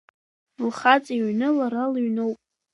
Лхаҵа иҩны лара лыҩноуп.